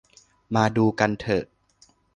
มาดูกันเถอะ